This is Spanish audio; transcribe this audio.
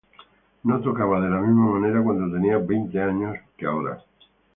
No tocaba de la misma manera cuando tenía veinte años que ahora.